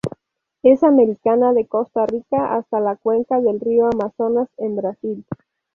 Es americana, de Costa Rica hasta la cuenca del río Amazonas en Brasil.